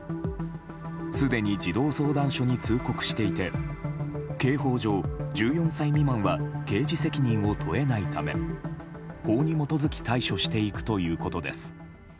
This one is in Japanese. すでに児童相談所に通告していて刑法上、１４歳未満は刑事責任を問えないため法に基づき対処していくということです。